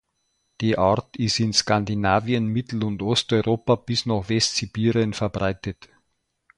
Die Art ist in Skandinavien, Mittel- und Osteuropa bis nach Westsibirien verbreitet.